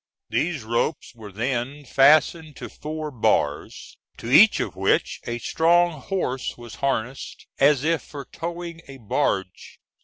These ropes were then fastened to four bars, to each of which a strong horse was harnessed, as if for towing a barge.